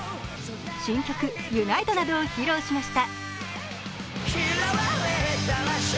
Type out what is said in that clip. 新曲「ＵＮＩＴＥ」などを披露しました。